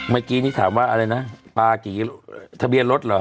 เมื่อกี้นี่ถามว่าอะไรนะปลากี่ทะเบียนรถเหรอ